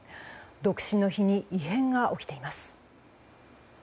独身の日に異変が起きています。